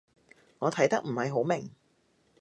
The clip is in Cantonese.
我睇得唔係好明